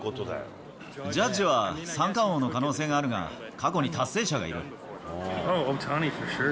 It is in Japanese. ジャッジは三冠王の可能性があるが、過去に達成者がいる。